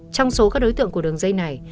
trong số các đối tượng của đường dây này